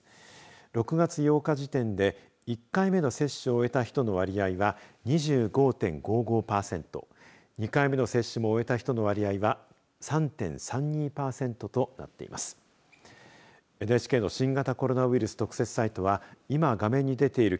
６月８日時点で１回目の接種を終えた人の割合が２５．５５パーセント２回目の接種も終えた人の割合は３．３２パーセントとなっています。